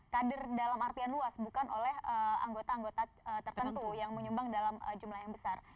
kader dalam artian luas bukan oleh anggota anggota tertentu yang menyumbang dalam jumlah yang besar